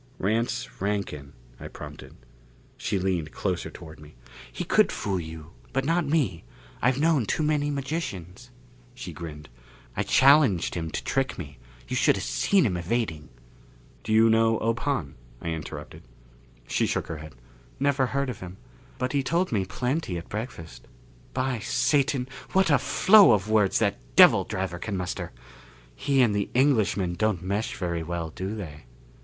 "Rance Rankin " I prompted. She leaned closer toward me. "He could fool you. But not me I've known too many magicians." She grinned. "I challenged him to trick me. You should have seen him evading!" "Do you know Ob Hahn?" I interrupted. She shook her head. "Never heard of him. But he told me plenty at breakfast. By Satan, what a flow of words that devil driver can muster! He and the Englishman don't mesh very well, do they?"